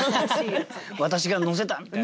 私が載せた！みたいな。